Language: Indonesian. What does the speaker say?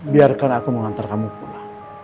biarkan aku mengantar kamu pulang